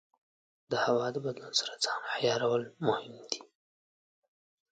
د هوا د بدلون سره ځان عیارول مهم دي.